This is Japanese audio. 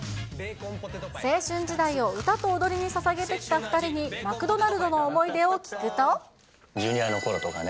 青春時代を歌と踊りにささげてきた２人に、マクドナルドの思ジュニアのころとかね。